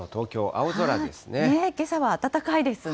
けさは暖かいですね。